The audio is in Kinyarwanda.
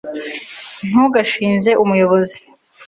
ntugashinje umuyobozi